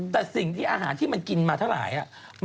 แต่สิ่งอาหารที่มันกินมาเท่าไหร่น่ะ